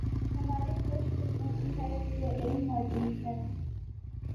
ہماری خوش قسمتی ہے کہ یہ علم موجود ہے